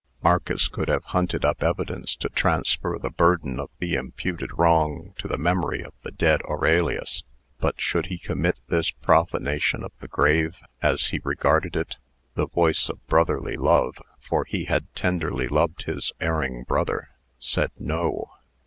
Marcus could have hunted up evidence to transfer the burden of the imputed wrong to the memory of the dead Aurelius. But should he commit this profanation of the grave as he regarded it? The voice of brotherly love for he had tenderly loved his erring brother said, "No."